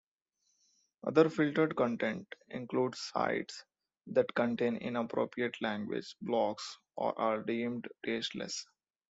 Other filtered content includes sites that contain "inappropriate language", "blogs", or are deemed "tasteless".